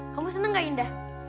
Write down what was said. kamu seneng gak indah